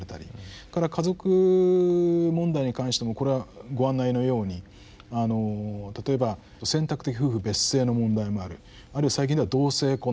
それから家族問題に関してもこれはご案内のように例えば選択的夫婦別姓の問題もあるあるいは最近では同性婚の問題